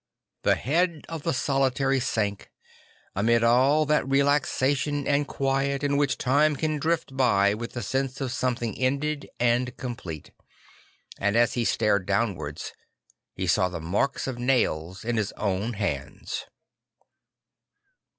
The head of the solitary sank, amid all that relaxation and quiet in which time can drift by wi th the sense of something ended and complete; and as he stared downwards, he saw the marks of nails in his own hands.